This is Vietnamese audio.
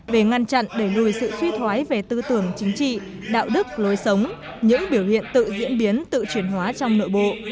về ngăn chặn đẩy lùi sự suy thoái về tư tưởng chính trị đạo đức lối sống những biểu hiện tự diễn biến tự chuyển hóa trong nội bộ